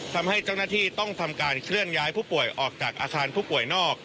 ทำให้เจ้าหน้าที่ต้องทำการเคลื่อนย้ายผู้ป่วยออกจากอาคารผู้ป่วยนอก